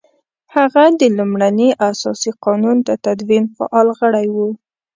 هغه د لومړني اساسي قانون د تدوین فعال غړی وو.